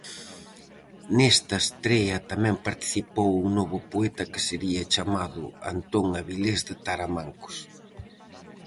Nesta estrea tamén participou un novo poeta que sería chamado Antón Avilés de Taramancos.